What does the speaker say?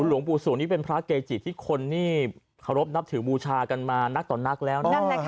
หลวงปู่สวงนี่เป็นพระเกจิที่คนนี่เคารพนับถือบูชากันมานักต่อนักแล้ว